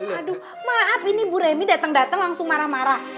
aduh maaf ini bu remy dateng dateng langsung marah marah